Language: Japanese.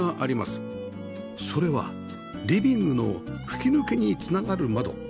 それはリビングの吹き抜けに繋がる窓